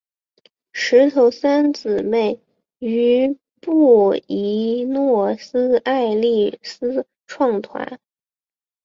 石头三姊妹于布宜诺斯艾利斯创团。